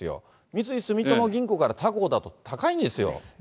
三井住友銀行から他行だと高いんですよ。